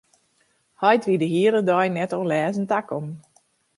Heit wie de hiele middei net oan lêzen takommen.